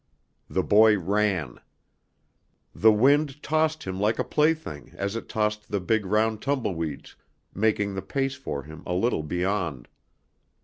The boy ran. The wind tossed him like a plaything as it tossed the big round tumbleweeds, making the pace for him a little beyond.